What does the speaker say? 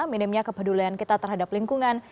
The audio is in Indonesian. minimnya kepedulian kita terhadap lingkungan